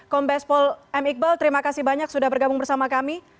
kombes pol m iqbal terima kasih banyak sudah bergabung bersama kami